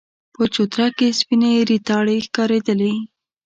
په چوتره کې سپينې ريتاړې ښکارېدلې.